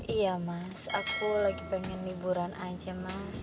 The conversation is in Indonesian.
iya mas aku lagi pengen liburan aja mas